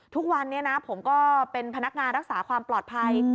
ทุกวันนี้นะผมก็เป็นพนักงานรักษาความปลอดภัย